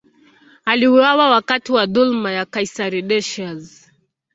Aliuawa wakati wa dhuluma ya kaisari Decius.